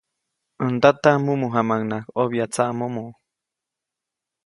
Äj ndata, mumu jamaʼuŋnaʼajk ʼobya tsaʼmomo.